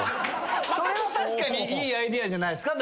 それは確かにいいアイデアじゃないっすか？